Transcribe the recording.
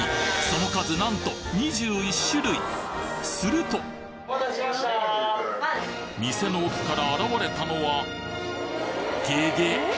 その数なんとすると店の奥から現れたのはげげっ！